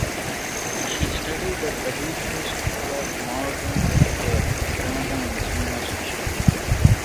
She studied at the regional school of Maagan Mikhaël, drama and cinema section.